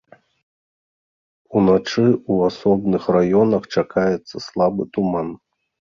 Уначы ў асобных раёнах чакаецца слабы туман.